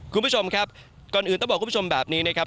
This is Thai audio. คุณผู้ชมครับก่อนอื่นต้องบอกคุณผู้ชมแบบนี้นะครับ